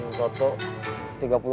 tidak bertemuan paham supply